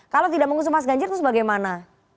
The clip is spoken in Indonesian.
kalau tidak mengusung mas ganjar terus bagaimana